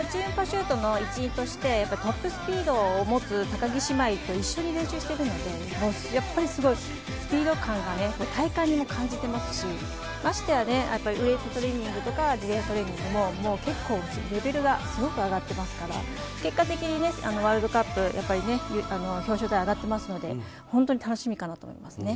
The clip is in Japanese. チームパシュートの一員としてトップスピードを持つ高木姉妹と一緒に練習してるので、すごくスピード感が、体感でも感じていますし、ましてやウエートトレーニングとか、自転車トレーニングでも結構レベルがすごく上がっていますから、結果的にワールドカップ表彰台に上がっていますので、本当に楽しみです。